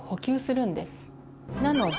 なので